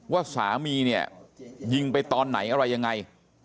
ว่าสามีเนี่ยยิงไปตอนไหนอะไรยังไง